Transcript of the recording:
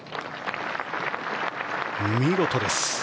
見事です。